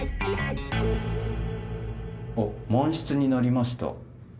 あっ「満室になりました」。